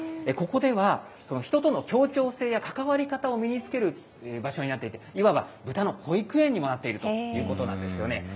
ここでは、人との協調性や関わり方を身に着ける場所になっていて、いわばブタの保育園にもなっているということなんですよね。